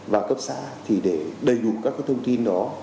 và cấp xã thì để đầy đủ các thông tin đó